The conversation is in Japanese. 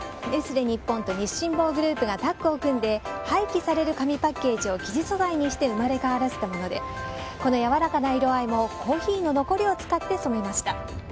ネスレ日本と日清紡グループがタッグを組んで廃棄される紙パッケージを生地素材にして生まれ変わらせたものでこのやわらかな色合いもコーヒーの残りを使って染めました。